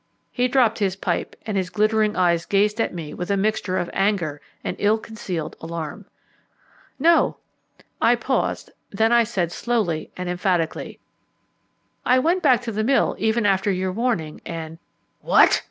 He dropped his pipe, and his glittering eyes gazed at me with a mixture of anger and ill concealed alarm. "No," I paused, then I said slowly and emphatically, "I went back to the mill even after your warning, and " "What?"